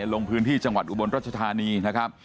ลงพื้นที่จังหวัดอุบลรัชธานีนะครับ